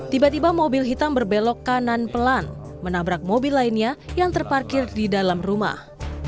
tiba tiba mobil hitam berbelok kanan pelan menabrak mobil lainnya yang terparkir di dalam rumah